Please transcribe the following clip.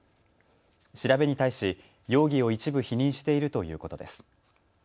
調べに対し容疑を一部否認しているということです。